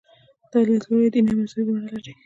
دا لیدلوری دیني او مذهبي بڼه لري.